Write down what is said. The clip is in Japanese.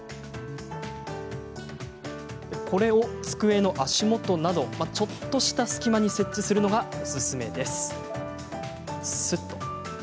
これを机の脚元などちょっとした隙間に設置するのがおすすめ。